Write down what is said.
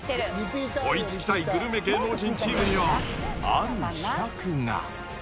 追いつきたいグルメ芸能人チームには、ある秘策が。